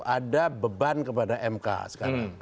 ada beban kepada mk sekarang